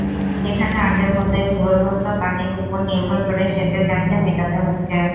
এখনো আগের মতোই ভূগর্ভস্থ পানির ওপর নির্ভর করে সেচের চাহিদা মেটাতে হচ্ছে।